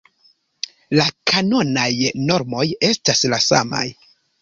La kanonaj normoj estas la samaj.